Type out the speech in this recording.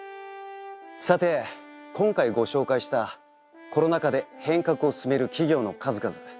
さて今回ご紹介したコロナ禍で変革を進める企業の数々。